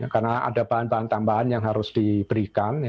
karena ada bahan bahan tambahan yang harus diberikan